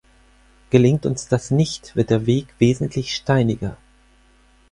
Gelingt uns das nicht, wird der Weg wesentlich steiniger.